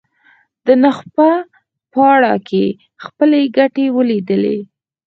د نخبه پاړکي خپلې ګټې ولیدلې.